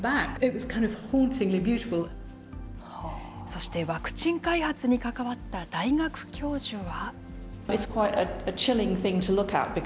そしてワクチン開発に関わった大学教授は。